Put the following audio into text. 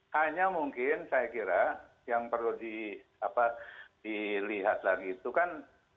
hanya mungkin saya kira yang perlu dilihat lagi itu kan